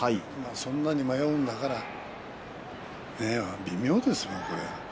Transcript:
そんなに迷うんだから微妙ですよ、これ。